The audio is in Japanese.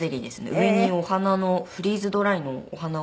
上にお花のフリーズドライのお花を。